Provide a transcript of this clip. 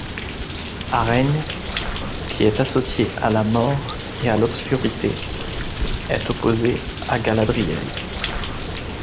Araigne, qui est associée à la mort et à l'obscurité, est opposée à Galadriel.